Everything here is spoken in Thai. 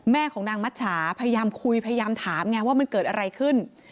ของนางมัชชาพยายามคุยพยายามถามไงว่ามันเกิดอะไรขึ้น